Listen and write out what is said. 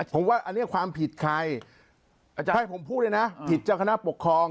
ผมว่าอันนี้ความผิดใครอาจารย์ให้ผมพูดเลยนะผิดเจ้าคณะปกครอง